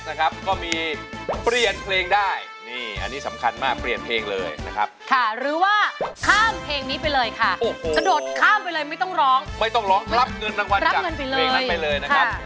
แต่ยังไม่ได้เมียเลยนะยังไม่ได้เมียนะถ้า๔๐๐๐๐ยังไม่ได้เมียถ้า๔๐๐๐๐ยังไม่ได้เมีย